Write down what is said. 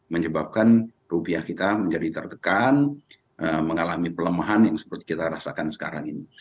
menyebabkan rupiah kita menjadi tertekan mengalami pelemahan yang seperti kita rasakan sekarang ini